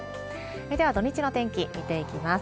では、土日の天気、見ていきます。